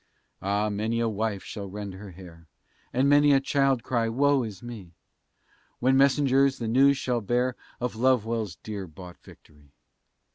Ah! many a wife shall rend her hair, And many a child cry, "Wo is me!" When messengers the news shall bear, Of Lovewell's dear bought victory.